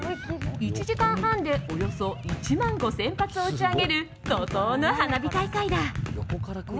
１時間半でおよそ１万５０００発を打ち上げる、怒涛の花火大会だ。